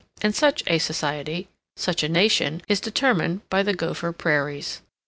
And such a society, such a nation, is determined by the Gopher Prairies.